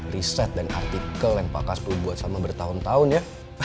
riset dan artikel yang pak kasku buat selama bertahun tahun ya